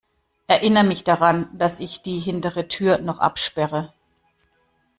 Erinner mich daran, dass ich die hintere Tür noch absperre.